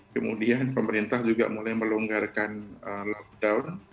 kemudian pemerintah juga mulai melonggarkan lockdown